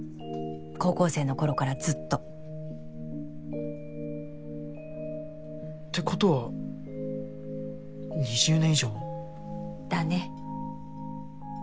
高校生の頃からずっと。ってことは２０年以上も？だね。